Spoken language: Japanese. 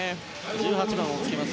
１８番をつけます